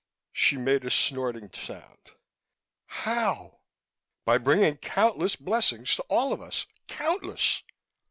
She made a snorting sound. "How?" "By bringing countless blessings to all of us. _Countless!